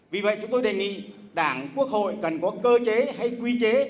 vì vậy chúng tôi đề nghị đảng quốc hội cần có cơ chế hay quy chế